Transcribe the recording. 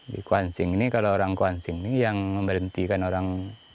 di kuansing ini kalau orang kuansing ini yang memberhentikan orang